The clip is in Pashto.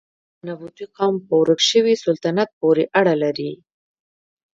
دا ټول د نبطي قوم په ورک شوي سلطنت پورې اړه لري.